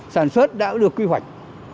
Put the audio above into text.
sản xuất đã được quy hoạch